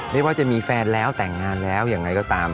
ไม่ว่าจะมีแฟนแล้วแต่งงานแล้วยังไงก็ตาม